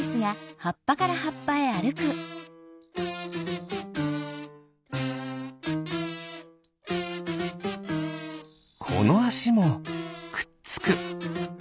このあしもくっつく。